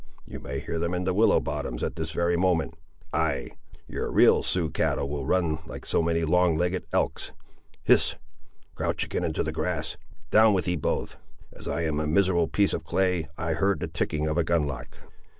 you may hear them in the willow bottoms at this very moment; ay, your real Sioux cattle will run like so many long legged elks. Hist! crouch again into the grass, down with ye both; as I'm a miserable piece of clay, I heard the ticking of a gunlock!"